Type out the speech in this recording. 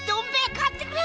買ってくれ